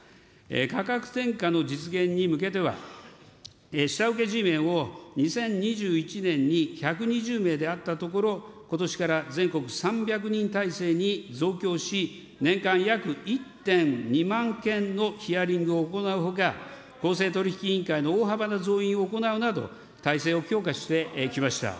価格転嫁の実現に向けては、下請けＧメンを２０２１年に１２０名であったところ、ことしから全国３００人体制に増強し、年間約１．２万件のヒアリングを行うほか、公正取引委員会の大幅な増員を行うなど、体制を強化してきました。